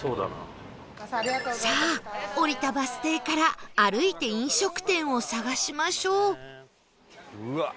さあ降りたバス停から歩いて飲食店を探しましょう